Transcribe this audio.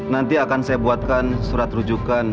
nanti akan saya buatkan surat rujukan